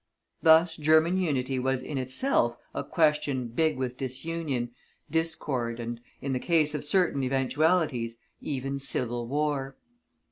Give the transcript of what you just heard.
Thus, German unity was in itself a question big with disunion, discord, and, in the case of certain eventualities, even civil war.